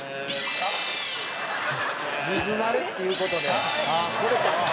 「水慣れっていう事で」